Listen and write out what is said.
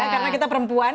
karena kita perempuan